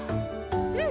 うん！